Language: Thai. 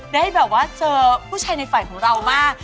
ได้แบบว่าเจอผู้ชายในฝันของเรามาก